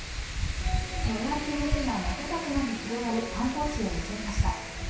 野焼きの火が瞬く間に広がり観光地を襲いました。